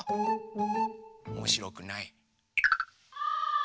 おもしろくない？